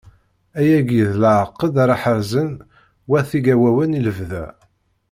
Ayagi d leɛqed ara ḥerzen wat Igawawen i lebda.